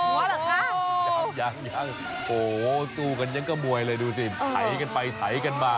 เหรอคะยังยังโหสู้กันยังก็มวยเลยดูสิไถกันไปไถกันมา